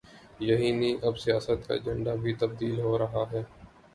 یہی نہیں، اب سیاست کا ایجنڈا بھی تبدیل ہو رہا ہے۔